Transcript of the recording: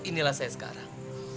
nah inilah saya sekarang